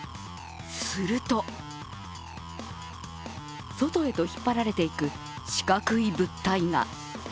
すると、外へと引っ張られていく四角い物体が。